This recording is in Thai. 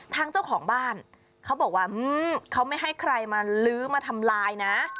ทางเจ้าของบ้านเขาบอกว่าเขาไม่ให้ใครมาลื้อมาทำลายนะ